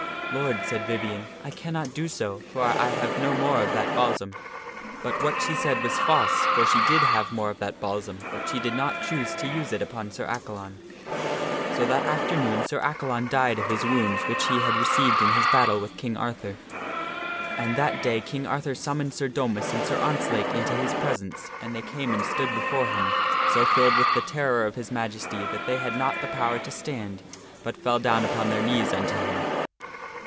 " Lord," said Vivien, " I cannot do so, for I have no more of that balsam." But what I9 8 THE STORY OF MERLIN she said was false, for she did have more of that balsam, but she did not choose to use it upon Sir Accalon. sir Accalon dieth So that af ternoon Sir Accalon died of his wounds which he of his wounds, had received in his battle with King Arthur. And that day King Arthur summoned Sir Domas and Sir Ontzlake into his presence and they came and stood before him, so filled with the terror of his majesty, that they had not the power to stand, but fell down upon their knees unto him.